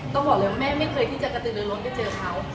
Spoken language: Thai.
ต้องบอกเลยว่าแม่ไม่เคยที่จัดการตัวรถก็เจอเขา